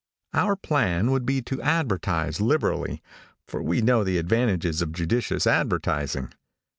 Our plan would be to advertise liberally, for we know the advantages of judicious advertising.